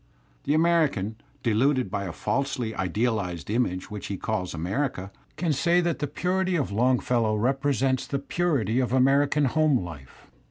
The American, deluded by a falsely idealized image which he calls America, can say that the purity of Longfellow represents the purity of American home life.